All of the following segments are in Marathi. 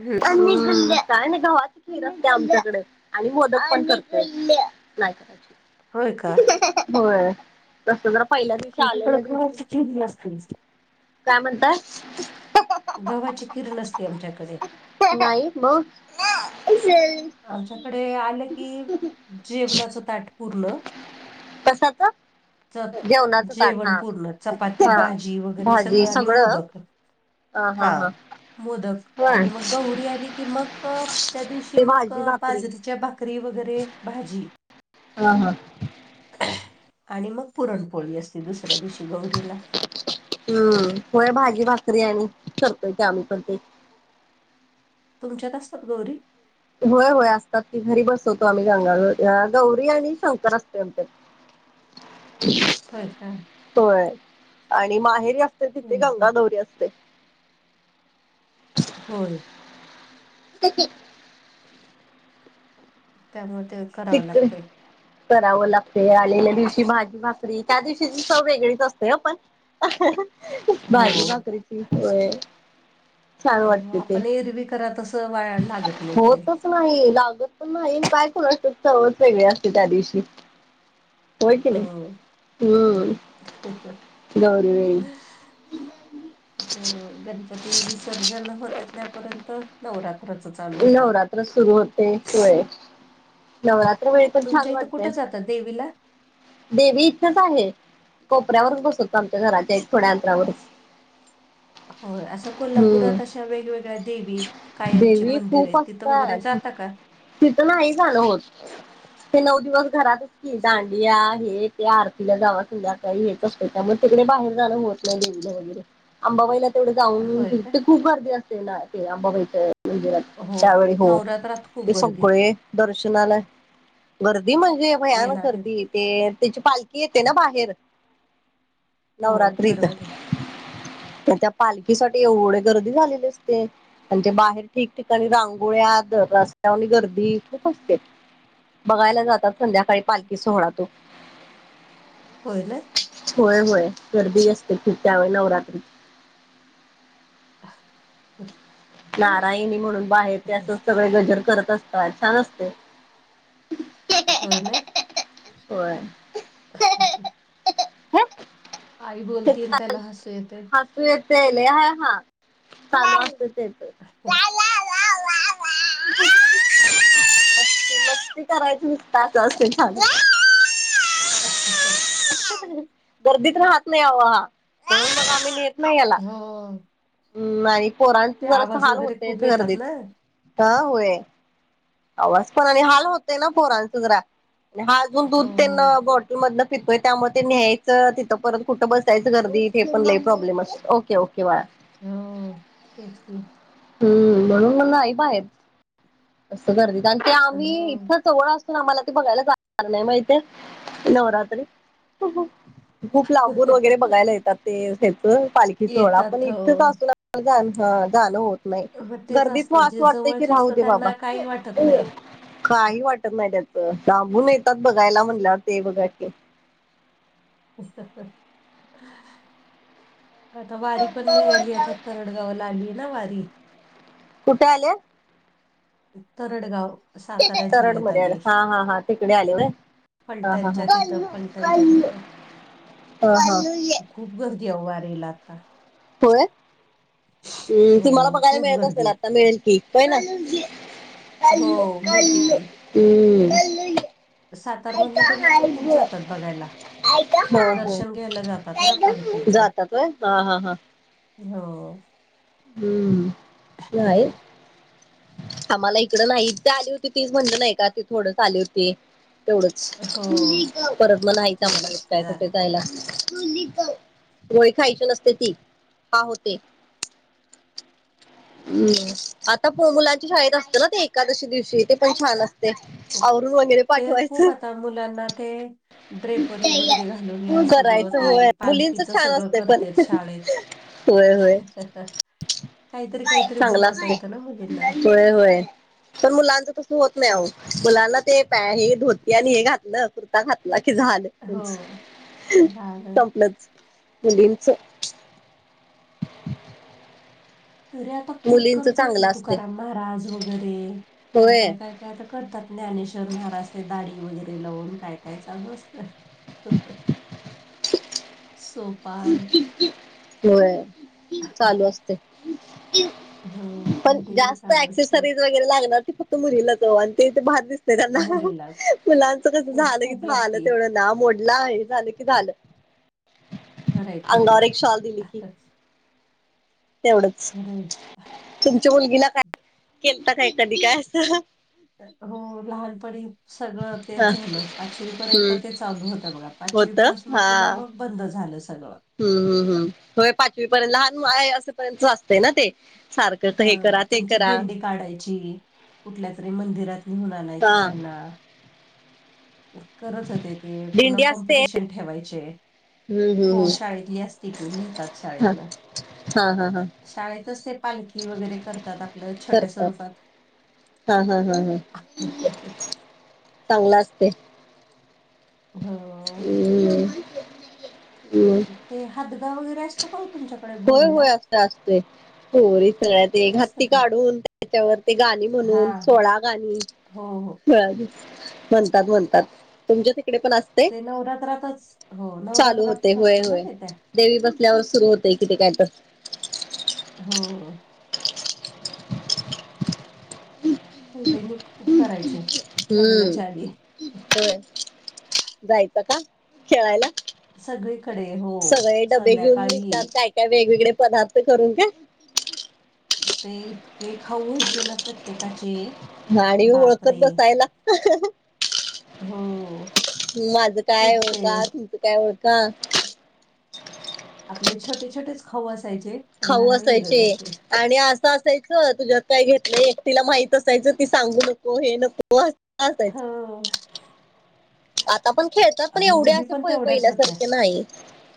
हम्म काय ना गवाची खीर असते आमच्याकडे आणि मोदक पण नाही करायची होय का बर तस जरा पहिल्या दिवशी तुमच्याकडे आलेल्या दिवशी गव्हाची खीर नसते काय म्हणतातय गव्हाची किरण असते आमच्याकडे का मस आमच्याकडे आलं की जेवणाचं ताट पुरलं कसच च जेवण पूर्ण चपाती हा भाजी वगैरे सगळं आणि मोदक हा मोदक होय आणि मग गहरी आली की मग त्या दिवशी ते मग भाजी भाकरी बाजरीच्या भाकरी वगैरे भाजी हा हा ह आणि मग पुरणपोळी असती दुसऱ्या दिवशी गौरीला हम् हो भाजी भाकरी आणि करतोय ते आम्ही पण ते तुमच्यात असतात गौरी होय होय असतात की घरी बसवतो आम्ही गंगावर गौरी आणि शंकर असतो आमच्या [inaudible] [unintelligible] हो काय तो आहे आणि माहेरी असते तिथे हम्म, हम्म. गंगाधौरी असते होय [inaudible] त्यामध्ये किक करावं लागते आलेल्या दिवशी भाजी भाकरी त्या दिवशीची सव वेगळीच असते पण भाजी हो भाकरीची होय छान वाटते ते आपण ए रिबी करा तसं वाया लागत नाही काही होतच नाही लागत पण नाही काय करण असत चवच वेगळे असते त्या दिवशी होयकले हो हम् गौर वई ह गणपती विसर्जन होते त्यापर्यंत नवरात्राच चालू होते नवरात्र सुरू होते व नवरात्र वेळ तुमच्या इथं कुठं जातात देवीला देवी इच्छाच आहे कोपऱ्यावरून बसवतो आमच्या घराच्या थोड्या अंतरावर हो असं कोल्हापुरात हम्म अशा वेगवेगळ्या देवी कायमचे देवी मंदिर खूप आहेत तिथं वगैरे असतात जाता का? तिथं नाही जान होत ते नऊ दिवस घरातचतीन ताण या हे ते आरतीला जावा संध्याकाळी हेच असत त्यामुळे तिकडे बाहेर जाणं होत नाही देनला वगैरे अंबाबाईला तेवढे जाऊन होय का फते खूप गर्दी असते ना ते अंबाबाईच्या मंदिरात. हो त्यावेळी हो नवरात्रात खूप ते गर्दी सगळे दर्शनाला गर्दी म्हणजे भयान येणार आहे गर्दी ते त्याची पालखी येते ना बाहेर हो नवरात्रीत बरोबर आहे त्या पालखीसाठी एवढे गर्दी झालेले असते अण ते बाहेर ठिकठिकाणी रांगोळ्या रस्त्यावर गर्दी खूप असते. बघायला जातात संध्याकाळी पालखी सोहळा तो. होय ना? होय होय गर्दी असते खूप त्यावेळी नवरात्री [inaudible] नारायणी म्हणून बाहेर ते असं सगळे गजर करत असतात छान असते. हो नाय? होय [inaudible] आई बोलतीय अन् त्याला हसू येत. तू येत येल हा चालू असत तेज. [inaudible] म मस्ती करायची नुसत असं असतय चालू. ह ह ह गर्दीत राहत नाही आवा हा म्ह आमेत नाही याला हो. नाही पोरांच ते जरा अस आवाज हाल वगैरे होतयच खूप येतात ना गर्दीत ह होय. आवाज पण आणि हाल होतय ना पोरांच जरा आणि हा अजून दूध हो त्यांना ब मधन फितोय त्यामुळे ते न्यायचं तिथं परत कुठं बसायचं गर्दी हे पण लई प्रॉब्लेम असत ओके ओके बा हो तेच की हम्म म्हणून म नाही बाहेर असं गर्दी आणि ते हो आम्ही इथ जवळ अस आम्हाला ते बघायला जाणार नाही माहिते नवरात्री खूप लांबून वगैरे बघायला येतात ते त्याच पालखीच सोहळा आपण येतात हो इथं का असू ना जान ह जाण होत नाही ग तेच गर्दीत मग असतं जे असं वाटतंय की जवळचे राहू असतं दे बाबा त्यांना काही वाटत नाही. काही वाटत नाही त्याचं लांबून येतात बघायला म्हणल्यावर ते बघा की [inaudible] आता वारी पण निघाली आता तरडगावाला आली ना वारी? कुठे आले? तरडगाव. सातारा तरड जिल्ह्यात मध्ये आले आली हा हा हा तिकडे आले वय? ह फलटणच्या तिथं ह फलटणच्या ह तिथं ह ह ह खूप गर्दीय अवो वारीला आता. होय? हम्म हो तुम्हाला बघायला खूप मिळत असेल गर्दी आता मिळेल की होय ना? हो मिळती की. हम्म सातार म्हधन पण इतलं खूप जातात बघायला. ह ह दर्शन घ्यायला जातात ना पालखीचं जातात वय हा हा हा हो. हम्म नाही हो. आम्हाला इकड नाही ते आली होती तीच म्हणल नाही का ती थोडच आली होती. तेवढंच परत मग का मला तेवढंच ते काय कुठे झालं. जायला. रोळी खायची नसते ती हा होते. हम् आता पो मुलांच्या शाळेत असतें ना ते एकादशी दिवशी ते पण छान अस तय खूप आवरुून वगैरे ते खूप पाठवायचं. आता मुलांना ते ड्रेपरी वगैरे घालून या सगळं करायचं ते होय मुलींच पालखीच छान सगळं असते पण करते शाळेत. होय होय [inaudible] काहीतरी काहीतरी चांगला बनवता असतो. येतं ना मुलींना. होय होय पण मुलांचं तसं होत नाही अ मुलांना ते प हे धोती आणि हे घातलं कुर्ता घात की झालं त्यांच हो. झालं. संपलंच मुलींच तरी आता मुलींच करतात की चांगलं तू असते करा महाराज वगैरे काय होय काय काय ते आता करतात ज्ञानेश्वर महाराज ते दाडी वगैरे लावून काय काय चालू असतंय सोपान होय चालू असते हा पण कंटिन्यू जास्त चालू असते एऍक्सेसरीज वगै लागणार फक्त मुलाच ते बारस नाही त्यांना मुलीला फुलांचं कस खूप झालं की खूप झालं लागती तेवढं ना मोडलं आहे झालं की झालं खरंय खरंय अंगर एक शॉल दि लिखी खरंय तेवढच तुमच्या मुलगीला काय केलत काय कधी काय असं हो लहानपणी सगळं हा तेच झालं पाचवी पर्यंत हम्म. ते चालू होतं बघा होत पाचवीपासून हा पुन्हा मग बंद झालं सगळं हम्म हम् हम् ह पाचवी पर्यंत लहान असेपर्यंत असतें ना ते सारखं हा हे करा ते त्यांची करा दिंडी काढायची कुठल्या तरी मंदिरात निघून आणायच हा त्यांना करत होते ते पुन्हा दिंडी असते कॉम्पिटिशन ठेवायचे हम्म हम्म हो शाळेतली असते की नहतात हम्म शाळेतन हा हा हा शाळेतच ते पालखी वगैरे करतात आपलं छोट्या करतात स्वरूपात हा हा हा हा चांगलं असते हो हम्म हम् ते हदगा वगैरे असतो का तुमच्याकडे होय होय भोंडला असत असते पोरी सगळ्यात ते असतं घाती का काढून त्याच्यावर ते गाणी हा म्हणून हा. सोळा हो हो गाणीळा म्हणतात म्हणतात तुमच्या तिकडे पण अस ते नवरात्रातच हो होते नवरात्रातच होय असतो ना होय ते त्या देवी बसल्यावर सुरू होतें किती काय ब हो पहिले मी खूप करायचे हम्म लग्नाच्या आधी हो जायचं का खेळायला सगळीकडे हो सगळे डबे घेऊन संध्याकाळी निघतात ये. काय काय वेगवेगळे पदार्थ करून का ते इतके खाऊ वयचे ना प्रत्येकाचे गाडी ओळखत बापरे बसायला हो माझं काय खूप ते ओळखा तुमचं काय ओळखा आपले छोटे छोटेच खऊ असायचे पण खाऊ जरा असायचे वेगळे असे आणि असं असायचं तुझ्यात काय घेतलंय एकटीला माहित असायचं ती सांगू नको हे नको हा असायचं आता पण खेळतात पण एवढे असे प तेवढ्याच होत्या पहिल्यासारखे नाही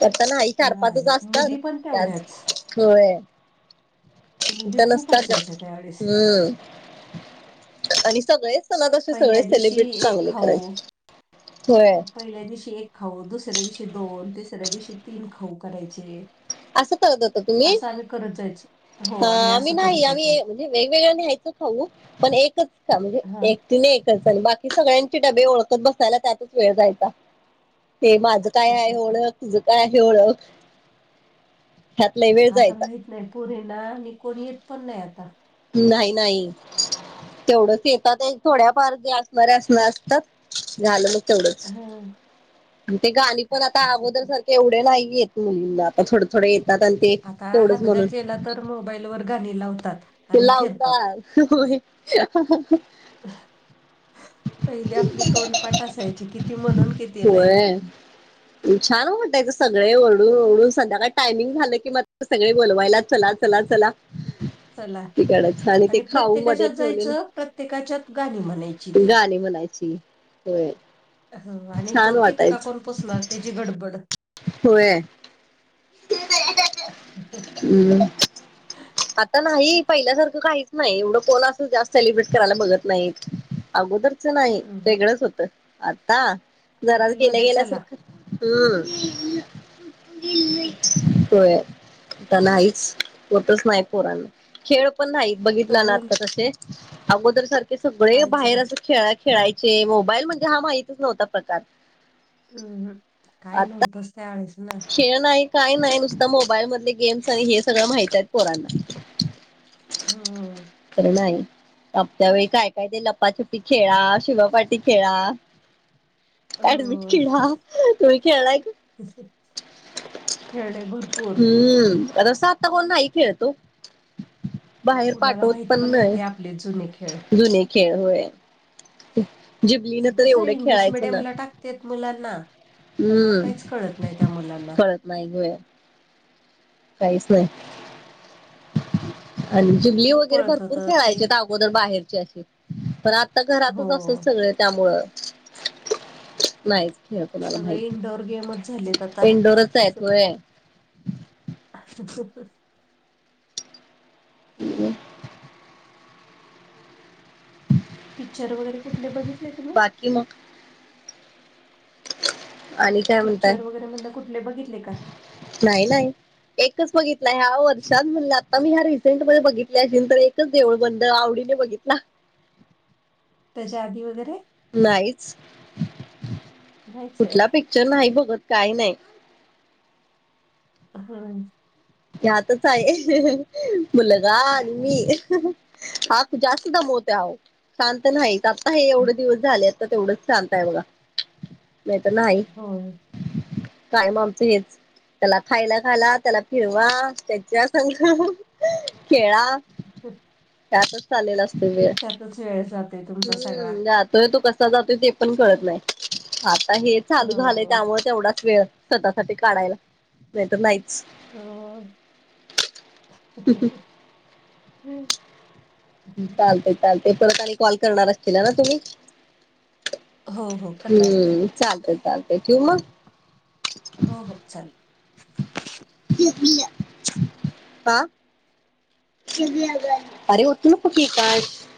तरता ना ह चार पाचच नाही असतात मुली पण त्यास तेवढ्याच हो इथ मुली खूप नसतात असायच्या त्यावेळेस हम्म आणि सगळेच मला तसे पहिल्या सगळे दिवशी सेलिब्रेट एक चांगले खाऊ करायचे होय पहिल्या दिवशी एक खाऊ दुसऱ्या दिवशी दोन तिसऱ्या दिवशी तीन खाऊ करायचे असं करत होता तुम्ही असं आम्ही कर जायच हो आम्ही असं करत होतो म्हणे वेगवेगळं न्याहायचं खाऊ पण एकच का हा. म्हणजे ती नाही एकच झाली बाकी सगळ्यांचे डबे ओळखत बसायला त्यातच वेळ जायचा ते माझं काय आहे ओळख तुझं काय आहे ओळख? ह्यात लय वेळ आता जायचा माहित नाही पोरीना आणि कोणी येत पण नाही आता नाही नाही. तेवढंच येतात एक थोड्या फार जे आसणाऱे आसणा असतात झालं मगं तेवढच हा. ते गाणी पण आता आगोदर सार एवढे नाही येत मुलींना आता थोडं थोडे येतात आणि ते आता तेवढंच हादगा म्हणून केला तर मोबाईलवर गाणी लावतात. आणि लावता फिरतात होय [unintelligible] पहिली आपली तोंडपाठ असायची किती म्हणून किती नाही. होय छान वाटायच सगळे ओरडून ओडून संध्याकाळ टायमिंग झालं की म सगळे बोलवायला चला चला चला. चला हाती कडायचं आणि ते खाऊ मध्ये प्रत्येकाच्यात ठेवलेल, जायचं प्रत्येकाच्यात गाणी म्हणायची ती गाणी म्हणाय ची होय. हो आणि तो छान टिपका वाटायचं कोन पुसणार त्याची गडबड. [inaudible] [unintelligible] [unintelligible] आता नाही पहिल्यासारखं काहीच नाही एवढं कोण आस जास्त सेलिब्रेट करायला बघत नाहीत. आगोदरच नाही हम्म. वेगळंच होत आता जरा केल्या हॉटेलमध्ये चला केल्यासारखं हम् अहं, होय आता नाहीच. तच नाही पोरांन खेळ पण नाही बघितला ना आता ते आगोदर सार के सगळे काहीच बाहेर नाही अस खेळा खेळायचे मोबाईल म्हणजे हा माहितच नव्हता प्रकार ऊ हू काय आता नव्हतच त्यावेळेस ना खेळ नाही काय नाही नुसता मोबाईलमधले गेम्स आणि हे सगळं माहीत आहेत पोरांना. हो. खरं नाही. आपल्या वेळी काय काय ते लपाछपी खेळा, शिवापाटी खेळा, ऍडमिट हम्म. किडा तुम्ही खेळाय? [unintelligible] खेळणे भरपूर हुं आता सा आता कोण नाही खेळत ओ. बाहेर कुणाला पाठवत माहित पण नाहीत नाही हे आपले जुने खेळ जुने खेळ होय. जिबलीन तर एवढ खेळायचो ना तेत मुलांना त्यामुळ हम्म काहीच कळत नाही त्या मुलांना. कळत नाही व्हय. काहीच नाही. आणि जिबली खूप वगैरे पळत भरपूर होतं ते खेळायचेत आगोदर बाहेरचे आसे. पण आता हो घरातच असते सगळे त्यामुळं नाहीच खेळ कुणाला सगळे इनडोअर गेमच झालेत माहीत आता इनडोअरचं आहेत होय. [unintelligible] [inaudible] पिक्चर वगैरे कुठले बघितले तुम्ही? बाकी मग आणि काय म्हणताय पिक्चर वगैरे म्हणल कुठले बघितले का? नाही नाही. एकच बघितलाय ह्या वर्षात म्हणलं आता मी ह्या रिसेंटम बघितल्या आशीन तर एक चं देवळ बंद आवडीने बघितला. त्याच्या आधी वगैरे नाहीच नाहीच आहे. कुठला पिक्चर नाही बघत काय नाही. हा. यातच आहे. मुलगा आणि मी. हा तर जास्त दमवतो अहो. शांत नाही. आता हे एवढे दिवस झालेत. तेवढंच चालतय बघा. नाही तर नाही. होय कायम आमचं हेच त्याला खायला घाला. त्याला फिरवा. त्याच्या संघ खेळा. त्यातच चालेला असतो वेळ. त्यातच वेळ जातोय तुमचा सगळा. हम्म तर तो कसा जातोय ते पण कळत नाही. आता हे चालू झालंय हो त्यामुळे तेवढाच वेळ स्वतःसाठी काढायला. नाही तर नाहीच. हो चालतय चालतय परत आणि कॉल करणार असीलाना तुम्ही. हो हो करणार की हम्म चालतय चालतय ठेऊ मग. हो हो चालेल. [unintelligible] [unintelligible]